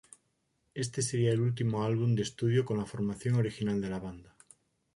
Este sería el último álbum de estudio con la formación original de la banda.